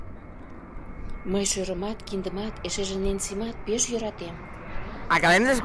Мый шӧрымат, киндымат, эшеже Ненсимат пеш йӧратем.